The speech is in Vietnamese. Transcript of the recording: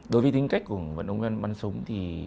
đối với tính cách của vận động viên bắn súng thì